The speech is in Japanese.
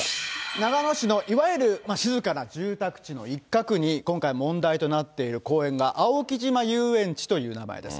長野市のいわゆる静かな住宅地の一角に、今回問題となっている公園が青木島遊園地という公園です。